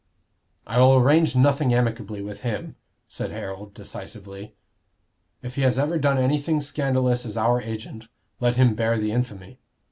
"I will arrange nothing amicably with him," said Harold, decisively. "If he has ever done anything scandalous as our agent, let him bear the infamy.